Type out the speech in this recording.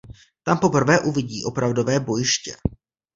Tam poprvé uvidí opravdové bojiště.